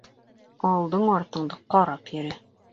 Алдың-артыңды ҡарап йөрө.